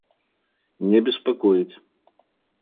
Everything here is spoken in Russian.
Не беспокоить